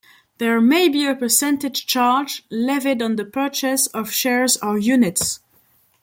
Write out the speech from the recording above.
There may be a percentage charge levied on the purchase of shares or units.